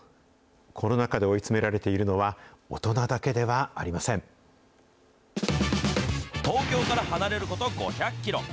コロナ禍で追い詰められているの東京から離れること５００キロ。